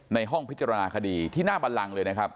ในห้องพิจารณาคดีที่หน้าบันลังเลยนะครับ